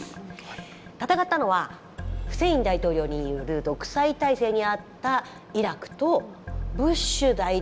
戦ったのはフセイン大統領による独裁体制にあったイラクとブッシュ大統領。